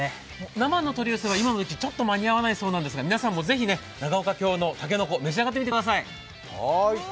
生の取り寄せは今の時期、ちょっと間に合わないそうなんですが、皆さんもぜひ長岡京のたけのこ召し上がってみてください。